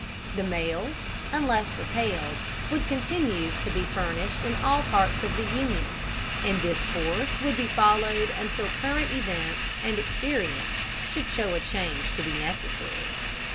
The mails, unless repelled, would continue to be furnished in all parts of the Union; and this course would be followed until current events and experience should show a change to be necessary.